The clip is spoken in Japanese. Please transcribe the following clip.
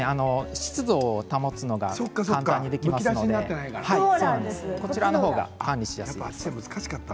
湿度を保つのが簡単にできますので管理しやすいですね。